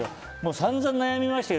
さんざん迷いましたよ